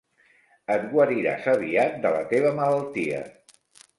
Et guariràs aviat de la teva malaltia.